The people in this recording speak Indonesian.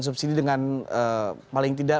subsidi dengan paling tidak